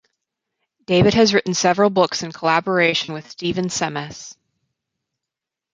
David has written several books in collaboration with Stephen Semmes.